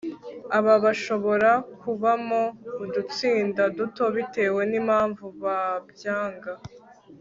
aba bashobora kubamo udutsinda duto bitewe n'impamvu babyanga